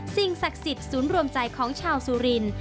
สิ่งศักดิ์สิทธิ์ศูนย์รวมใจของชาวสุรินทร์